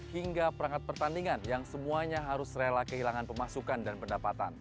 hingga perangkat pertandingan yang semuanya harus rela kehilangan pemasukan dan pendapatan